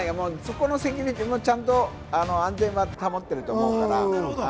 そこのセキュリティーもちゃんと安全は保ってると思うから。